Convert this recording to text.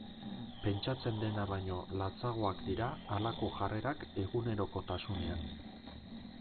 Pentsatzen dena baino latzagoak dira halako jarrerak egunerokotasunean.